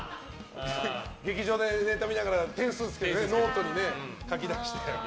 劇場でネタ見ながら点数つけてノートに書きだして。